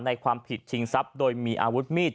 ในความผิดชิงทรัพย์โดยมีอาวุธมีด